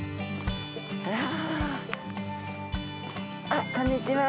あっこんにちは。